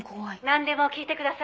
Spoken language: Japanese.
「なんでも聞いてください。